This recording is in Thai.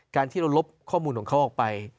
การที่เราลบข้อมูลของเขาออกไป